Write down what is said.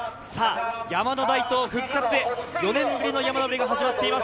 山の大東復活へ、４年ぶりの山上りが始まっています。